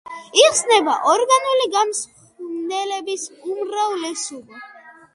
იხსნება ორგანული გამხსნელების უმრავლესობაში.